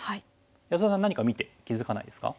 安田さん何か見て気付かないですか？